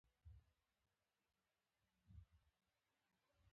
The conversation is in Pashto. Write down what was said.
ابشار له لوړو څخه د اوبو راتویدلو ته وايي.